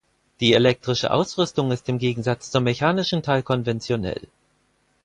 Die elektrische Ausrüstung ist im Gegensatz zum mechanischen Teil konventionell.